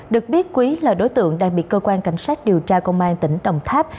được biết quý là đối tượng đang bị cơ quan cảnh sát điều tra công an tỉnh đồng tháp